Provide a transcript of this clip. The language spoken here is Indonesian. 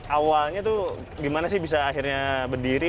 awalnya tuh gimana sih bisa akhirnya berdiri